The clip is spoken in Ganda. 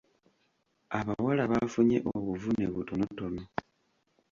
Abawala baafunye obuvune butonotono.